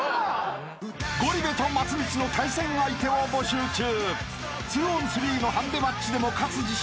［ゴリ部と松道の対戦相手を募集中］